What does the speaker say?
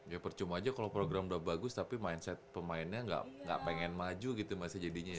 ya percuma aja kalau program udah bagus tapi mindset pemainnya gak pengen maju gitu masih jadinya ya